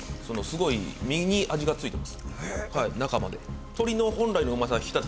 すごい身に味がついてます